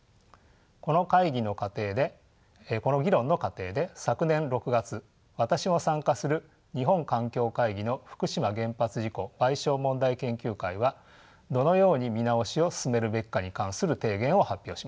この議論の過程で昨年６月私も参加する日本環境会議の福島原発事故賠償問題研究会はどのように見直しを進めるべきかに関する提言を発表しました。